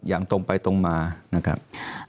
อย่างตรงไปตรงมานะครับ